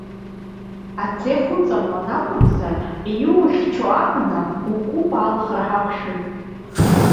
Ацех уҵамлан акәымзар, иухьчо абна укәыба алхра ҳақәшәоит.